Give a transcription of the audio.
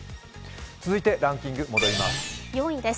続いてランキングに戻ります。